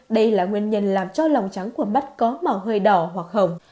đây là nguyên nhân làm cho lòng trắng của mắt có màu hơi đỏ hoặc hồng